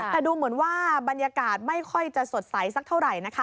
แต่ดูเหมือนว่าบรรยากาศไม่ค่อยจะสดใสสักเท่าไหร่นะคะ